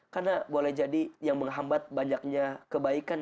karena boleh jadi yang menghambat banyaknya kebaikan